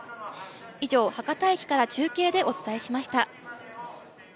以上、博多駅から中継でお伝えしました。